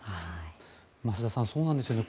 増田さんそうなんですよね